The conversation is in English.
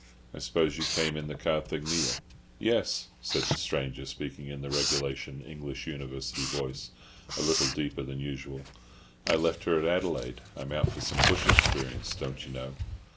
"I suppose you came in the Carthaginia?" "Yes," said the stranger, speaking in the regulation English University voice, a little deeper than usual. "I left her at Adelaide. I'm out for some bush experience, don't you know.